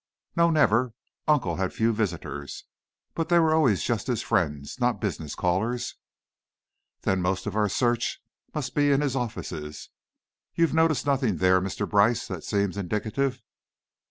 "No; never. Uncle had few visitors, but they were always just his friends, not business callers." "Then most of our search must be in his offices. You noticed nothing there, Mr. Brice, that seemed indicative?"